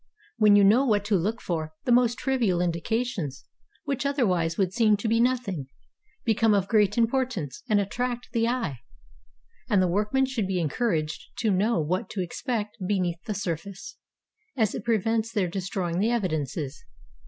When you know what to look for, the most trivial indications, which otherwise would seem to be nothing, become of great importance and attract the eye. And the workmen should be encouraged to know what to expect beneath the surface, as it prevents their destroying the evidences.